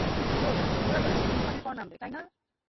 দোস্ত, ওরা বলেছে ধূমপানের পর নামবে, তাই না?